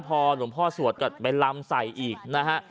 พอหลวงพ่อสวดก็ไปลำใส่อีกนะฮะ